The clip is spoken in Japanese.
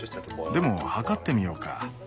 でも測ってみようか。